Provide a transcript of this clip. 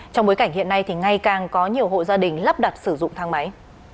trong bối cảnh hiện nay thì ngay càng có nhiều hộ gia đình lắp đặt sử dụng thang máy